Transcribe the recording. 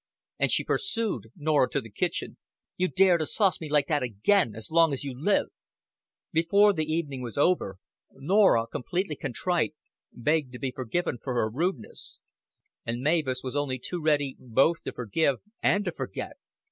And she pursued Norah to the kitchen. "You dare to sauce me like that again as long as you live!" Before the evening was over, Norah, completely contrite, begged to be forgiven for her rudeness; and Mavis was only too ready both to forgive and to forget.